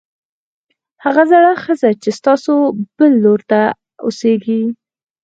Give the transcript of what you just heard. هغه زړه ښځه چې ستاسو بل لور ته اوسېږي